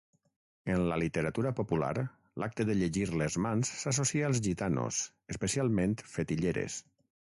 En la literatura popular, l'acte de llegir les mans s'associa als gitanos, especialment fetilleres.